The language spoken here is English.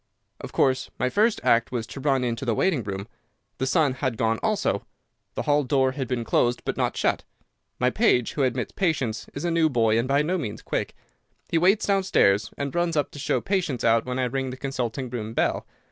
"Of course, my first act was to run into the waiting room. The son had gone also. The hall door had been closed, but not shut. My page who admits patients is a new boy and by no means quick. He waits downstairs, and runs up to show patients out when I ring the consulting room bell.